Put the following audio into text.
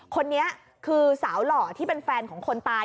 คนนี้คือสาวหล่อที่เป็นแฟนของคนตาย